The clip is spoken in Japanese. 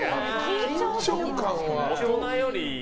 緊張感は。